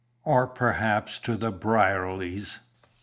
Or perhaps to the Brierlys?